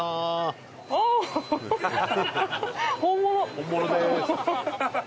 本物です！